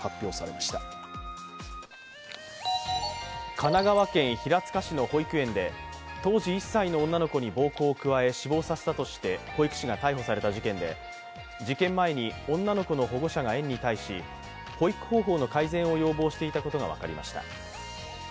神奈川県平塚市の保育園で当時１歳の女の子に暴行を加え死亡させたとして保育士が逮捕された事件で事件前に女の子の保護者が園に対し保育方法の改善を要望していたことが分かりました。